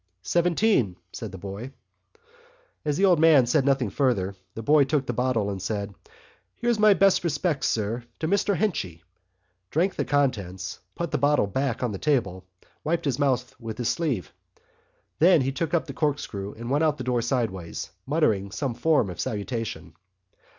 "Seventeen," said the boy. As the old man said nothing further, the boy took the bottle and said: "Here's my best respects, sir," to Mr Henchy, drank the contents, put the bottle back on the table and wiped his mouth with his sleeve. Then he took up the corkscrew and went out of the door sideways, muttering some form of salutation.